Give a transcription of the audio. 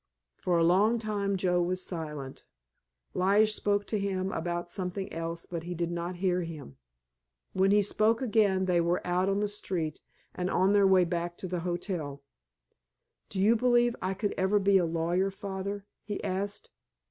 For a long time Joe was silent. Lige spoke to him about something else, but he did not hear him. When he spoke again they were out on the street and on their way back to the hotel. "Do you believe I could ever be a lawyer, Father?" he asked.